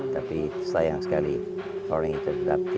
tapi sayang sekali orang itu tidak dapati